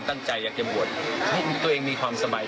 ตั้งแต่ไว้แล้วตั้งแต่ไว้แล้ว